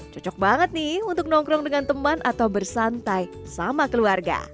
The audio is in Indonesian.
cocok banget nih untuk nongkrong dengan teman atau bersantai sama keluarga